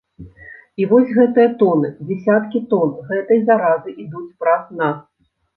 І вось гэтыя тоны, дзясяткі тон гэтай заразы ідуць праз нас.